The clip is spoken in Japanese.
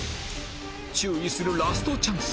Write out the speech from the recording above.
注意するラストチャンス